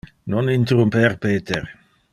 Non interrumper Peter.